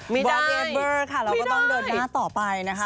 มีแอร์เกมเบอร์ค่ะเราก็ต้องเดินหน้าต่อไปนะคะ